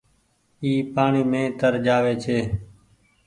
اي پآڻيٚ مين تر جآوي ڇي۔